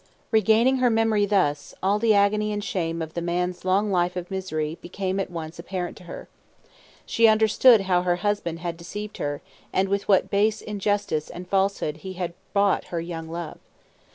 Regaining her memory thus, all the agony and shame of the man's long life of misery became at once apparent to her. She understood how her husband had deceived her, and with what base injustice and falsehood he had bought her young love.